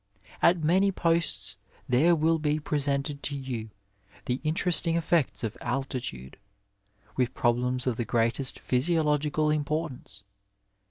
At many posts there will be presented to you the interesting effects of altitude, with problems of the greatest physiological importance.